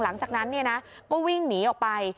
หลังจากนั้นก็วิ่งหนีออกไป